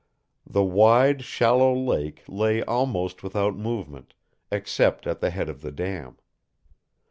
The wide, shallow lake lay almost without movement, except at the head of the dam.